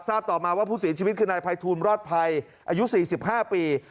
ต่อมาว่าผู้เสียชีวิตคือนายภัยทูลรอดภัยอายุ๔๕ปี